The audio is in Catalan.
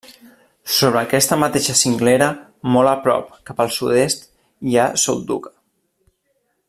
Sobre aquesta mateixa cinglera, molt a prop cap al sud-est hi ha Solduga.